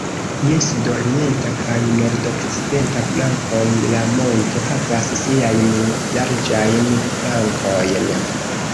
Je sudorienta kaj nordokcidenta flankoj la monto havas siajn larĝajn flankojn.